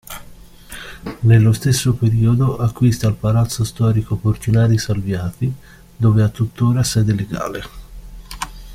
Nello stesso periodo acquista il palazzo storico Portinari Salviati, dove ha tuttora sede legale.